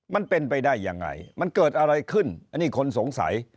มันเป็นไปได้ยังไงมันเกิดอะไรขึ้นอันนี้คนสงสัย